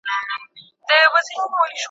د ټولنپوهنې عملي اهمیت په څه کې دی؟